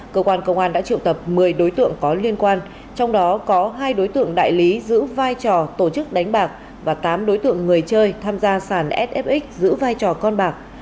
cơ quan công an đã triệu tập một mươi đối tượng có liên quan trong đó có hai đối tượng đại lý giữ vai trò tổ chức đánh bạc và tám đối tượng người chơi tham gia sàn sf giữ vai trò con bạc